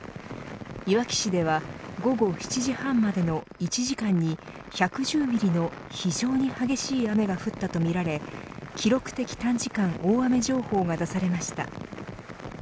いわき市では、午後７時半までの１時間に１１０ミリの非常に激しい雨が降ったとみられ記録的短時間大雨情報が出されました。